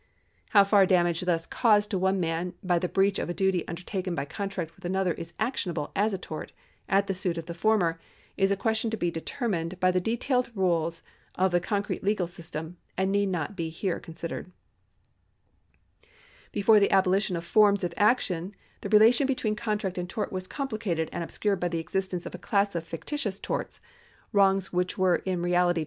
How far damage thus caused to one man by the breach of a duty undertaken by contract with another is actionable as a tort at the suit of the former, is a question to be determined by the detailed rules of the concrete legal system, and need not be here considered.^ Before the abolition of forms of action the relation between contract and tort was complicated and obscured by the existence of a class of fictitious torts — wrongs which were in reality pure breaches of contract 1 A similar relation exists between breaches of contract and crimes.